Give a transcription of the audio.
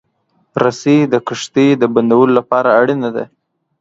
رسۍ د کښتۍ د بندولو لپاره اړینه ده.